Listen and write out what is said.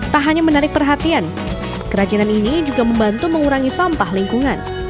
tak hanya menarik perhatian kerajinan ini juga membantu mengurangi sampah lingkungan